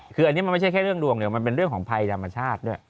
คืออันนี้มันไม่ใช่แค่เรื่องดวงเดียวมันเป็นเรื่องของภัยธรรมชาติด้วย